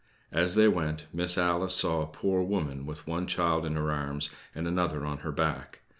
As they went, Miss Alice saw a poor woman with one child in her arms and another on her back.